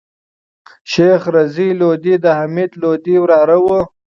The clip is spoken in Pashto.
شېخ رضي لودي دحمید لودي وراره وو.